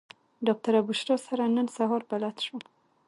ډاکټره بشرا سره نن سهار بلد شوم.